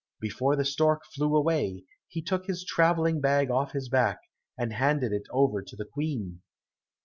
Before the stork flew away, he took his travelling bag off his back and handed it over to the Queen.